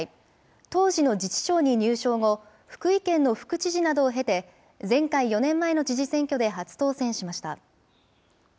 当時の自治省に入省後、福井県の副知事などを経て、前回・４年前の知事選挙で初当選しました。